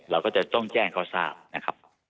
เราก็จะต้องแจ้งเขาทราบนะครับ